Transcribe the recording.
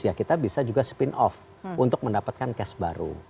ya kita bisa juga spin off untuk mendapatkan cash baru